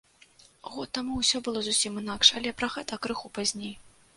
Год таму ўсё было зусім інакш, але пра гэта крыху пазней.